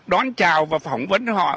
đón chào và phỏng vấn họ